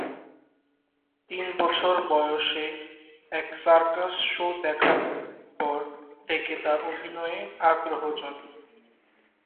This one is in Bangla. তিন বছর বয়সে এক সার্কাস শো দেখার পর থেকে তার অভিনয়ে আগ্রহ জন্মে।